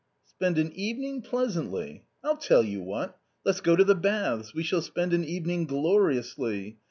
" Spend an evening pleasantly ! I'll tell you what ! let's go to the baths, we shall spend an evening gloriously